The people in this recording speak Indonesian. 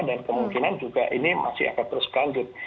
dan kemungkinan juga ini masih akan terus berlanjut